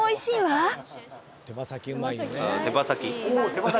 手羽先。